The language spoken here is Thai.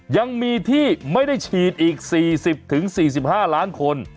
ยังมีที่ไม่ได้ฉีดอีก๔๐๔๕ล้านคน